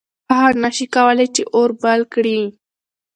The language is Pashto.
هغه نه شي کولی چې اور بل کړي.